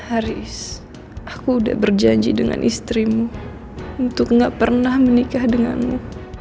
haris aku udah berjanji dengan istrimu untuk gak pernah menikah denganmu